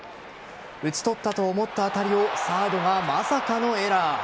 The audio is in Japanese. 打ち取ったと思った当たりをサードがまさかのエラー。